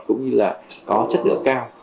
cũng như là có chất lượng cao